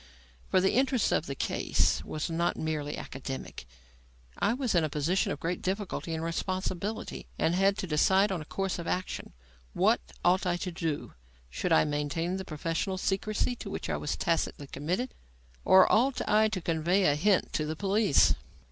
For the interest of the case was not merely academic. I was in a position of great difficulty and responsibility and had to decide on a course of action. What ought I to do? Should I maintain the professional secrecy to which I was tacitly committed, or ought I to convey a hint to the police?